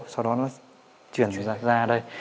sau đó nó chuyển ra đây